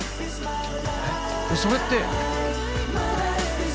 えっそれって。